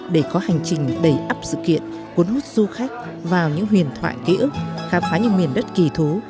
để có hành trình đẩy ấp sự kiện cuốn hút du khách vào những huyền thoại ký ức khám phá những miền đất kỳ thú